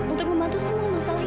untuk membantu semua masalah